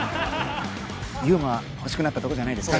ユーモア欲しくなったとこじゃないですか？